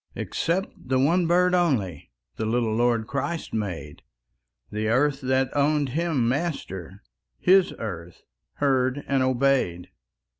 Except the one bird only The little Lord Christ made; The earth that owned Him Master, His earth heard and obeyed.